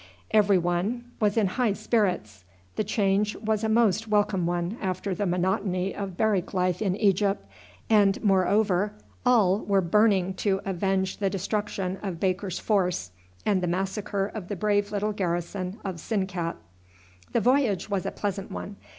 Every one was in high spirits. The change was a most welcome one after the monotony of barrack life in Egypt, and moreover all were burning to avenge the destruction of Baker's force and the massacre of the brave little garrison of Sinkat. The voyage was a pleasant one.